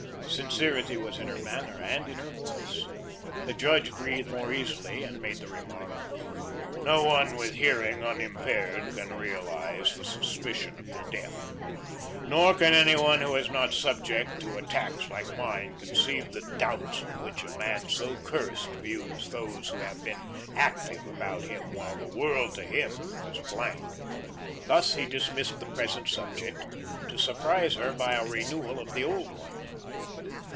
Sincerity was in her manner and in her voice. The judge breathed more easily, and made the remark: "No one with hearing unimpaired can realise the suspicion of the deaf, nor can any one who is not subject to attacks like mine conceive the doubts with which a man so cursed views those who have been active about him while the world to him was blank." Thus he dismissed the present subject, to surprise her by a renewal of the old one.